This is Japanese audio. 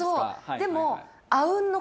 でも。